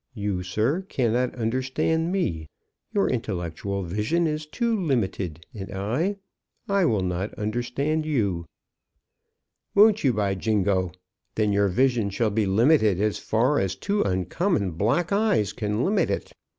You, sir, cannot understand me; your intellectual vision is too limited. And I, I will not understand you." "Won't you, by jingo! Then your vision shall be limited, as far as two uncommon black eyes can limit it.